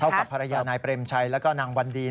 กับภรรยานายเปรมชัยแล้วก็นางวันดีน